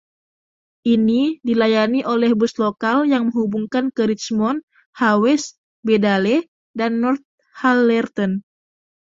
Ini dilayani oleh bus lokal yang menghubungkan ke Richmond, Hawes, Bedale dan Northallerton.